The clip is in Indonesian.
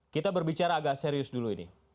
kita berbicara agak serius dulu ini